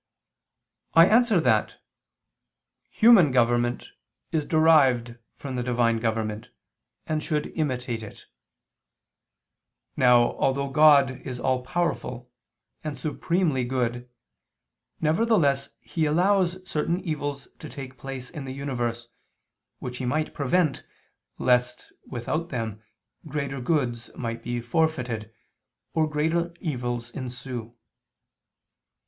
I answer that, Human government is derived from the Divine government, and should imitate it. Now although God is all powerful and supremely good, nevertheless He allows certain evils to take place in the universe, which He might prevent, lest, without them, greater goods might be forfeited, or greater evils ensue.